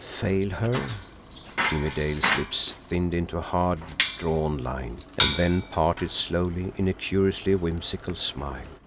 Fail her! Jimmie Dale's lips thinned into a hard, drawn line and then parted slowly in a curiously whimsical smile.